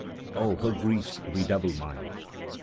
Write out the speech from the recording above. Oh! her griefs redouble mine!"